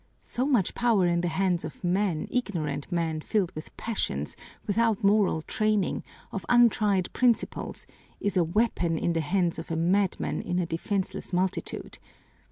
So much power in the hands of men, ignorant men filled with passions, without moral training, of untried principles, is a weapon in the hands of a madman in a defenseless multitude.